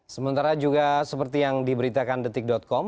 sementara juga seperti yang diberitakan detik com